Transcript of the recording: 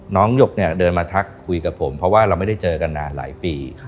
หยกเนี่ยเดินมาทักคุยกับผมเพราะว่าเราไม่ได้เจอกันนานหลายปี